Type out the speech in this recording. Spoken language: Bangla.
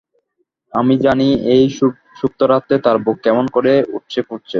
আমি জানি, এই সুপ্তরাত্রে তার বুক কেমন করে উঠছে পড়ছে।